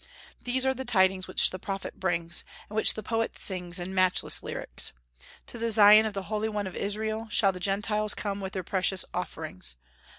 These are the tidings which the prophet brings, and which the poet sings in matchless lyrics. To the Zion of the Holy One of Israel shall the Gentiles come with their precious offerings.